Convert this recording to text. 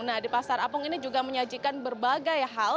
nah di pasar apung ini juga menyajikan berbagai hal